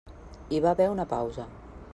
Hi va haver una pausa.